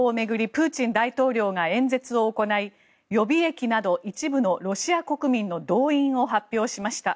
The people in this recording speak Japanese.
プーチン大統領が演説を行い予備役など一部のロシア国民の動員を発表しました。